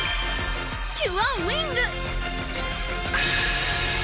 キュアウィング！